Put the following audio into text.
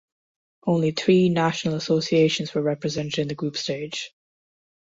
Only three national associations were represented in the group stage.